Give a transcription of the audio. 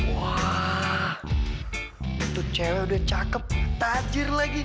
wah itu cewek udah cakep tajir lagi